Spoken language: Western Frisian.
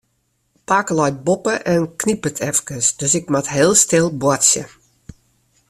Pake leit boppe en knipperet efkes, dus ik moat heel stil boartsje.